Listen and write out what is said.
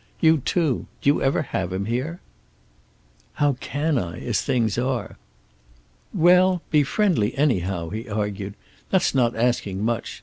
You too. Do you ever have him here?" "How can I, as things are?" "Well, be friendly, anyhow," he argued. "That's not asking much.